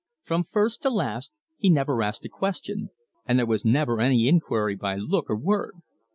From first to last he never asked a question, and there was never any inquiry by look or word.